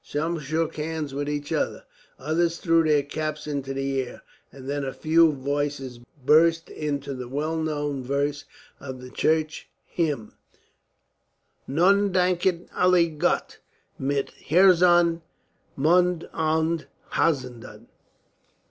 Some shook hands with each other, others threw their caps into the air, and then a few voices burst into the well known verse of the church hymn: Nun danket alle Gott, Mit herzen, mund und haenden.